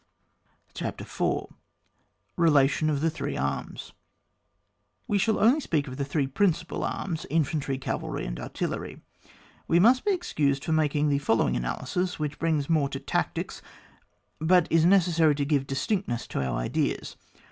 CHAPTER IV. RELATION OF THE THREE ARMS. We shall only speak of the three princi pal arms: Infantry, Cavalry, and Artil lery. We must be excused for making the following analysis which belongs more to tactics, but is necessary to give dis tinctness to our ideas.